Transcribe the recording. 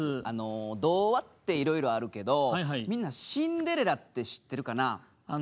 童話っていろいろあるけどみんな「シンデレラ」って知ってるかな？